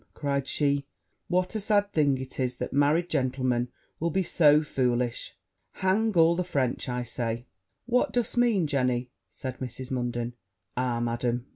cried she, 'what a sad thing it is that married gentlemen will be so foolish! Hang all the French, I say!' 'What do'st mean, Jenny?' said Mrs. Munden. 'Ah, Madam!'